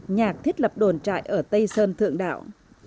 nhạc thiết lập đồn trại ở tây sơn thượng đạo